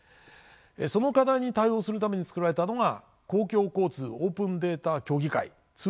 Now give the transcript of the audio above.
その課題に対応するためにつくられたのが公共交通オープンデータ協議会通称ＯＤＰＴです。